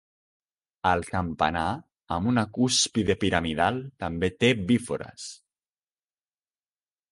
El campanar, amb una cúspide piramidal, també té bífores.